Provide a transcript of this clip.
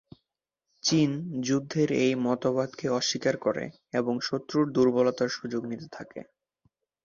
চিন যুদ্ধের এই মতবাদকে অস্বীকার করে এবং শত্রুর দুর্বলতার সুযোগ নিতে থাকে।